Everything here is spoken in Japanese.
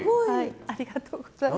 ありがとうございます。